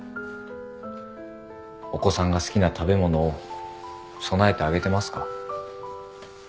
お子さんが好きな食べ物を供えてあげてますか？